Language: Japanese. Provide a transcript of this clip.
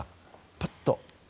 パッと。